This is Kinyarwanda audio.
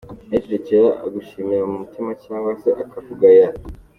Larry Martyn, umukinnyi wa filime ukomoka mu Bwongereza.